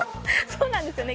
そうなんですよね。